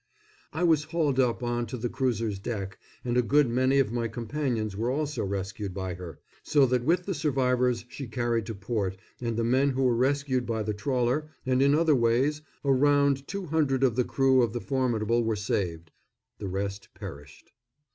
I was hauled up on to the cruiser's deck, and a good many of my companions were also rescued by her, so that with the survivors she carried to port and the men who were rescued by the trawler, and in other ways, a round two hundred of the crew of the Formidable were saved. The rest perished.